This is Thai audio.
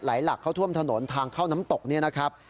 หลักเข้าท่วมถนนทางเข้าน้ำตกเนี่ยนะครับ